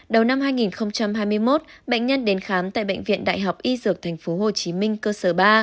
đầu năm hai nghìn hai mươi một bệnh nhân đến khám tại bệnh viện đại học y dược tp hcm cơ sở ba